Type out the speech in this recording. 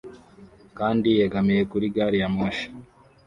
kandi yegamiye kuri gari ya moshi